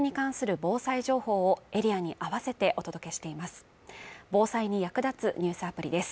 防災に役立つニュースアプリです